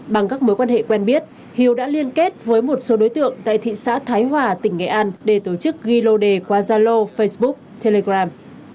bằng các mối quan hệ quen biết hiếu đã liên kết với một số đối tượng tại thị xã thái hòa tỉnh nghệ an để tổ chức ghi lô đề qua zalo facebook telegram